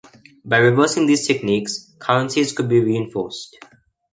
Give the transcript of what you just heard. By reversing these techniques, currencies could be reinforced.